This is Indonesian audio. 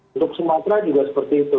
untuk sumatera juga seperti itu